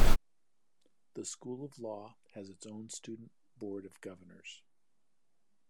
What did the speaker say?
The School of Law has its own Student Board of Governors.